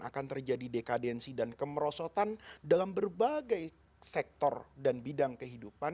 akan terjadi dekadensi dan kemerosotan dalam berbagai sektor dan bidang kehidupan